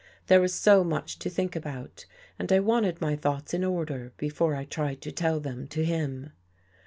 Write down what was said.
There was so much to think about and I wanted my thoughts in order before I tried to tell them to him.